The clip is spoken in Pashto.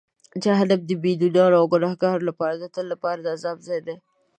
جهنم د بېدینانو او ګناهکارانو لپاره د تل لپاره د عذاب ځای دی.